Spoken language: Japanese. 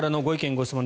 ・ご質問